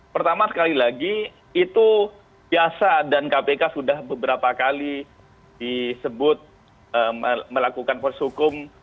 pertama sekali lagi itu biasa dan kpk sudah beberapa kali disebut melakukan force hukum